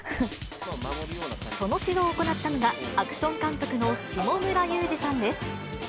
その指導を行ったのが、アクション監督の下村勇二さんです。